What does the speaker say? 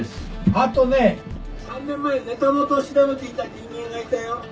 あとね３年前ネタ元を調べていた人間がいたよ。